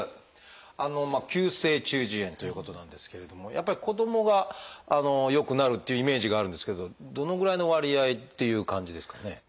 急性中耳炎ということなんですけれどもやっぱり子どもがよくなるっていうイメージがあるんですけどどのぐらいの割合っていう感じですかね？